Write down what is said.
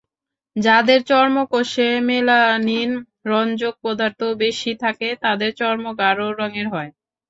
যাদের চর্মকোষে মেলানিন রঞ্জক পদার্থ বেশি থাকে, তাদের চর্ম গাঢ় রঙের হয়।